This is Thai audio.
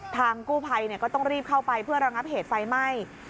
ทางกู้ภัยก็ต้องรีบเข้าไปเพื่อระงับเหตุไฟไหม้